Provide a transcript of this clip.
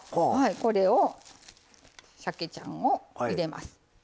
これをしゃけちゃんを入れます。